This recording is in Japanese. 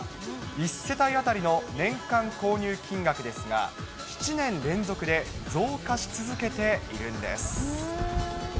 １世帯当たりの年間購入金額ですが、７年連続で増加し続けている